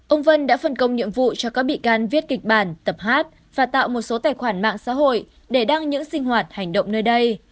ông vân đã phân công nhiệm vụ cho các bị can viết kịch bản tập hát và tạo một số tài khoản mạng xã hội để đăng những sinh hoạt hành động nơi đây